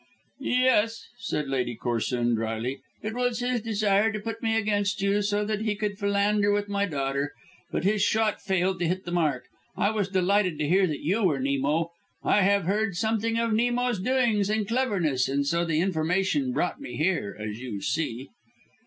"Yes," said Lady Corsoon drily. "It was his desire to put me against you, so that he could philander with my daughter. But his shot failed to hit the mark. I was delighted to hear that you were Nemo; I have heard something of Nemo's doings and cleverness, and so the information brought me here, as you see."